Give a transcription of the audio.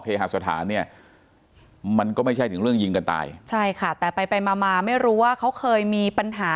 หาสถานเนี่ยมันก็ไม่ใช่ถึงเรื่องยิงกันตายใช่ค่ะแต่ไปไปมามาไม่รู้ว่าเขาเคยมีปัญหา